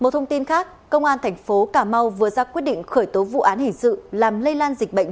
một thông tin khác công an tp hcm vừa ra quyết định khởi tố vụ án hình sự làm lây lan dịch bệnh